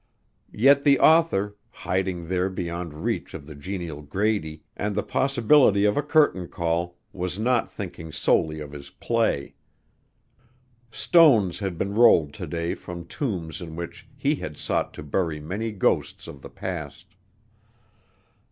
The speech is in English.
Yet the author, hiding there beyond reach of the genial Grady, and the possibility of a curtain call, was not thinking solely of his play. Stones had been rolled to day from tombs in which he had sought to bury many ghosts of the past.